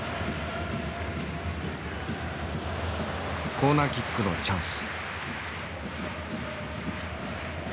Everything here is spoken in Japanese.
コーナーキックのチャンス。